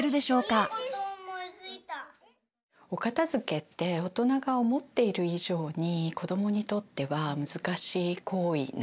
お片づけって大人が思っている以上に子どもにとっては難しい行為なんですよね。